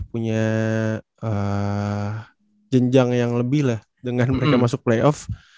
punya jenjang yang lebih lah dengan mereka masuk playoff